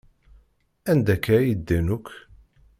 Anda akka ay ddan akk?